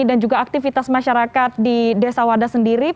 dan juga aktivitas masyarakat di desa wada sendiri